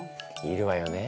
いるわよね。